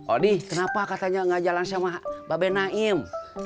odi kenapa katanya gak jalan sama mbak be naim